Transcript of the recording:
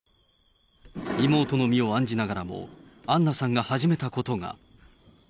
妹の身を案じながらも、アンナさんが始めたことが。